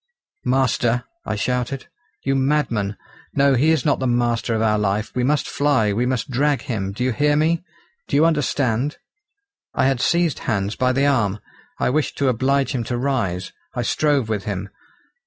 "Master!" I shouted; "you madman! no, he is not the master of our life; we must fly, we must drag him. Do you hear me? Do you understand?" I had seized Hans by the arm. I wished to oblige him to rise. I strove with him.